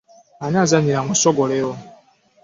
Ani azannyira mu ssogolero?